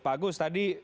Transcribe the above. pak agus tadi